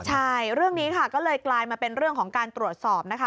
ใช่เรื่องนี้ค่ะก็เลยกลายมาเป็นเรื่องของการตรวจสอบนะคะ